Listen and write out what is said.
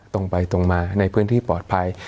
ตรงไปตรงมาในพื้นที่ปลอดภัย